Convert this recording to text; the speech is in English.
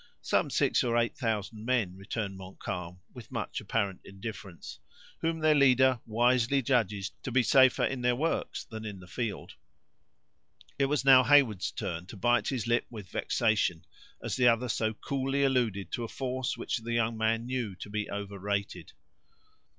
"Some six or eight thousand men," returned Montcalm, with much apparent indifference, "whom their leader wisely judges to be safer in their works than in the field." It was now Heyward's turn to bite his lip with vexation as the other so coolly alluded to a force which the young man knew to be overrated.